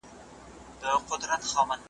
لاس، لاس پېژني.